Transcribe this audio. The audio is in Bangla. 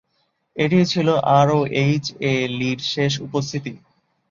এটিই ছিল আরওএইচ-এ লির শেষ উপস্থিতি।